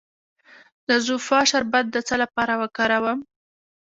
د زوفا شربت د څه لپاره وکاروم؟